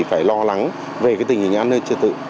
phải lo lắng về cái tình hình an ninh trật tự